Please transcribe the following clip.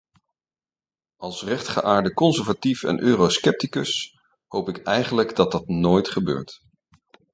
Als rechtgeaarde conservatief en euroscepticus, hoop ik eigenlijk dat dat nooit gebeurt.